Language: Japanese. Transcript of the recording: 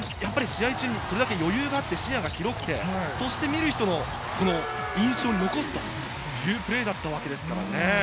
試合中に余裕があって、視野が広くて、見る人の印象に残すというプレーだったわけですからね。